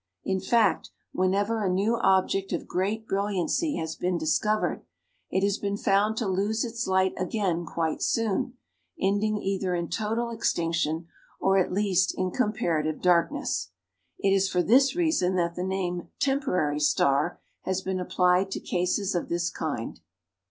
In fact, whenever a new object of great brilliancy has been discovered, it has been found to lose its light again quite soon, ending either in total extinction or at least in comparative darkness. It is for this reason that the name "temporary star" has been applied to cases of this kind.